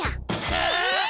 えっ！？